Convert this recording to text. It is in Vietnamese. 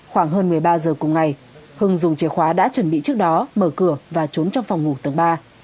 khoảng hơn một mươi ba giờ cùng ngày hưng dùng chìa khóa đã chuẩn bị trước đó mở cửa và trốn trong phòng ngủ tầng ba